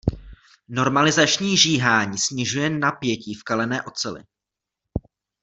Normalizační žíhání snižuje napětí v kalené oceli.